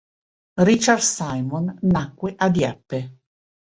Richard Simon nacque a Dieppe.